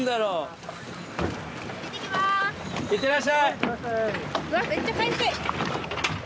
いってらっしゃい。